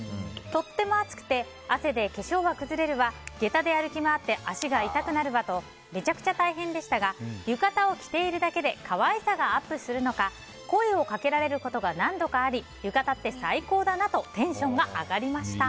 とても暑くて汗で化粧は崩れるわ下駄で歩き回って足は痛くなるわとめちゃくちゃ大変でしたが浴衣を着ているだけで可愛さがアップするのか声をかけられることが何度かあり浴衣って最高だなとテンションが上がりました。